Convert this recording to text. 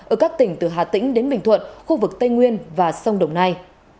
ở các tỉnh từ hà tĩnh đến bình thuận khu vực tây nguyên và sông đồng nai